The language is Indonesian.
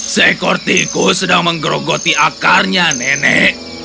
seekor tikus sedang menggerogoti akarnya nenek